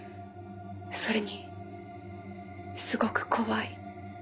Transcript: それにすごく怖い。